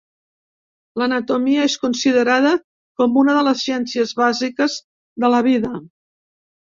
L'anatomia és considerada com una de les ciències bàsiques de la vida.